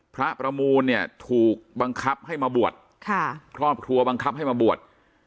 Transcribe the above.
พระประมูลเนี่ยถูกบังคับให้มาบวชค่ะครอบครัวบังคับให้มาบวช